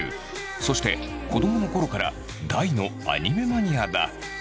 そして子どものころから大のアニメマニアだ。